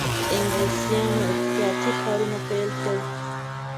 انګلیسیانو احتیاطي کارونه پیل کړل.